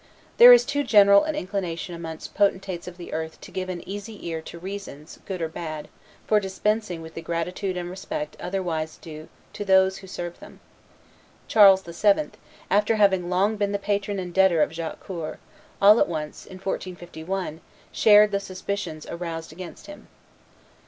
There is too general an inclination amongst potentates of the earth to give an easy ear to reasons, good or bad, for dispensing with the gratitude and respect otherwise due to those who serve them. Charles VII., after having long been the patron and debtor of Jacques Coeur, all at once, in 1451, shared the suspicions aroused against him.